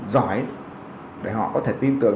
giỏi để họ có thể tin tưởng